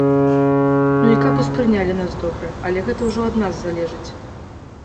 Ну, і каб успрынялі нас добра, але гэта ўжо ад нас залежыць.